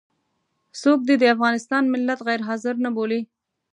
څوک دې د افغانستان ملت غير حاضر نه بولي.